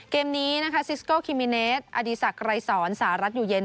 เกมนี้นะคะซิสโกคิมิเนสอดีศักดรายสอนสหรัฐอยู่เย็น